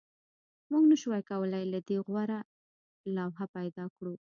موږ نشوای کولی له دې غوره لوحه پیدا کړو